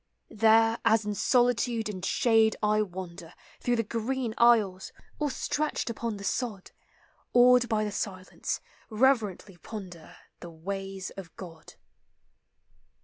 There, as in solitude and shade I wander Through the green aisles, or stretched upon the sod, Awed by the silence, reverently ponder The ways of God.